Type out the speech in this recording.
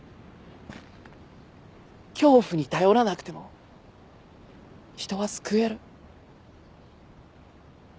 恐怖に頼らなくても人は救える。